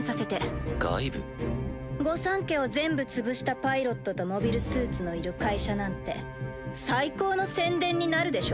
御三家を全部潰したパイロットとモビルスーツのいる会社なんて最高の宣伝になるでしょ？